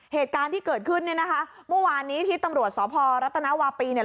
เหตุการณ์ที่เกิดขึ้นเนี่ยนะคะเมื่อวานนี้ที่ตำรวจสพรัฐนาวาปีเนี่ย